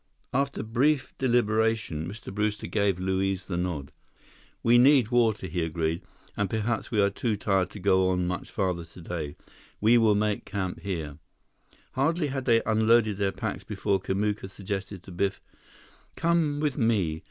After brief deliberation, Mr. Brewster gave Luiz the nod. "We need water," he agreed, "and perhaps we are too tired to go on much farther today. We will make camp here." Hardly had they unloaded their packs before Kamuka suggested to Biff, "Come with me.